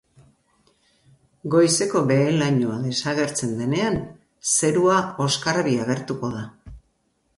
Goizeko behe-lainoa desagertzen denean, zerua oskarbi agertuko da.